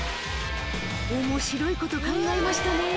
面白いこと考えましたね